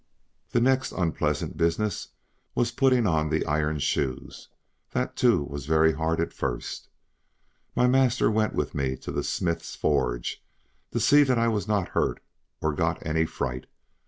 The next unpleasant business was putting on the iron shoes; that too was very hard at first. My master went with me to the smith's forge, to see that I was not hurt or got any fright.